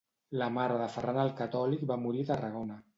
La mare de Ferran el Catòlic va morir a Tarragona.